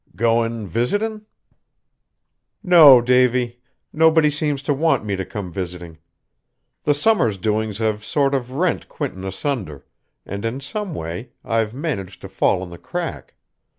"Goin' visitin'?" "No, Davy; nobody seems to want me to come visiting. The summer's doings have sort of rent Quinton asunder, and in some way I've managed to fall in the crack.